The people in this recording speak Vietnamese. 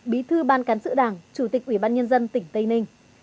bí thư ban cán sự đảng chủ tịch ủy ban nhân dân tỉnh tây ninh